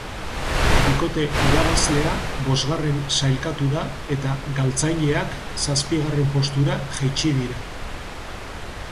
Bikote irabazlea bosgarren sailkatu da eta galtzaileak zazpigarren postura jaitsi dira.